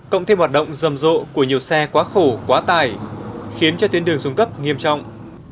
cộng thêm hoạt động rầm rộ của nhiều xe quá khổ quá tải khiến cho tuyến đường xuống cấp nghiêm trọng